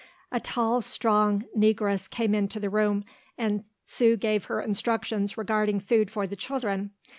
A tall strong Negress came into the room, and Sue gave her instructions regarding food for the children.